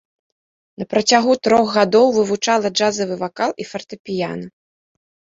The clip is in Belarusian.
На працягу трох гадоў вывучала джазавы вакал і фартэпіяна.